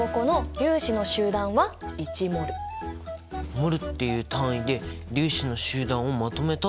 ｍｏｌっていう単位で粒子の集団をまとめたっていうこと？